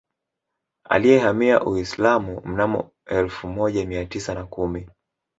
Aliyehamia Uislamu mnamo elfu moja Mia tisa na kumi